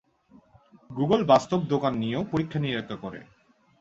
Google বাস্তব দোকান নিয়েও পরীক্ষা-নিরীক্ষা করে।